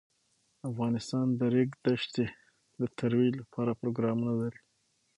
افغانستان د د ریګ دښتې د ترویج لپاره پروګرامونه لري.